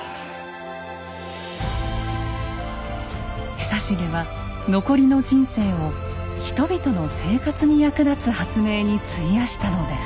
久重は残りの人生を人々の生活に役立つ発明に費やしたのです。